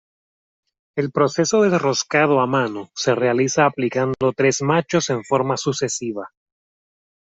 El proceso del roscado a mano se realiza aplicando tres machos en forma sucesiva.